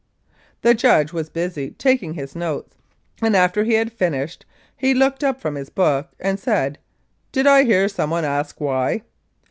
The judge was busy taking his notes, and after he had finished he looked up from his book and said, "Did I hear someone ask 'Why?'"